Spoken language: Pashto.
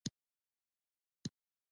د دوبی خلک د وخت ارزښت ښه پېژني.